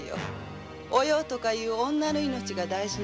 お葉とかいう女の命が大事なら。